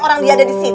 orang dia ada di situ